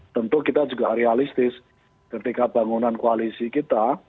tentu kita juga realistis ketika bangunan koalisi kita